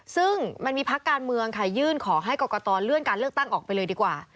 ซึ่งมันมีพักการเมืองค่ะยื่นขอให้กรกตเลื่อนการเลือกตั้งออกไปเลยดีกว่า